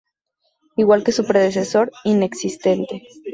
Igual que en su predecesor, inexistente.